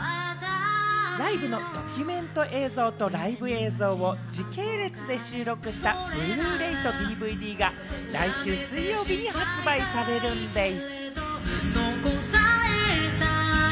ライブのドキュメント映像とライブ映像を時系列で収録したＢｌｕ−ｒａｙとＤＶＤが来週水曜日に発売されるんでぃす。